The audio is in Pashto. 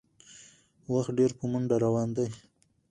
وخت ډېر په منډه روان دی